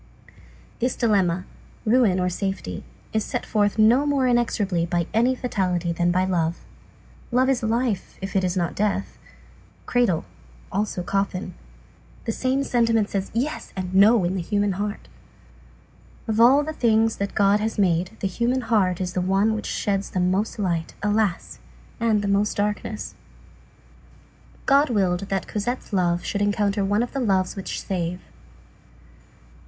This dilemma, ruin, or safety, is set forth no more inexorably by any fatality than by love. Love is life, if it is not death. Cradle; also coffin. The same sentiment says "yes" and "no" in the human heart. Of all the things that God has made, the human heart is the one which sheds the most light, alas! and the most darkness. God willed that Cosette's love should encounter one of the loves which save.